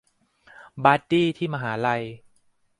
บัดดี้ที่มหาลัย